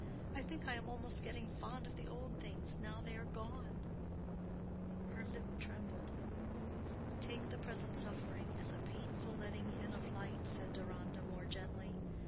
I think I am almost getting fond of the old things now they are gone." Her lip trembled. "Take the present suffering as a painful letting in of light," said Deronda, more gently.